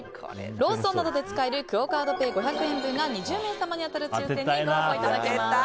ローソンなどで使えるクオ・カードペイ５００円分が２０名様に当たる抽選にご応募いただけます。